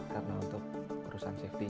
karena untuk perusahaan safety